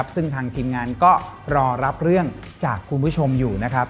ซึ่งทางทีมงานก็รอรับเรื่องจากคุณผู้ชมอยู่นะครับ